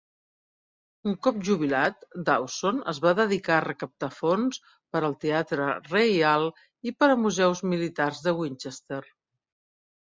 Un cop jubilat, Dawson es va dedicar a recaptar fons per al Teatre Reial i per a museus militars de Winchester.